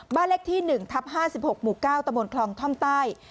บ้านเลขที่๑ทับ๕๖หมู่๙ตะบนคลองท่อมใต้